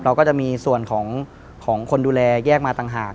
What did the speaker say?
เราก็จะมีส่วนของคนดูแลแยกมาต่างหาก